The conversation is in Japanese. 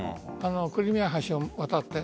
クリミア橋を渡って。